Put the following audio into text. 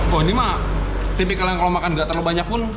oh ini mah tipikal yang kalau makan nggak terlalu banyak pun